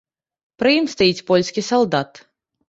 Пры ім стаіць польскі салдат.